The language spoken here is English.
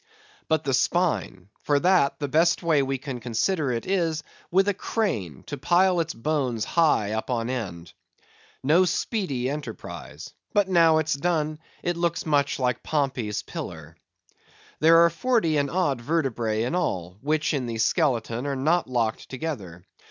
But the spine. For that, the best way we can consider it is, with a crane, to pile its bones high up on end. No speedy enterprise. But now it's done, it looks much like Pompey's Pillar. There are forty and odd vertebræ in all, which in the skeleton are not locked together.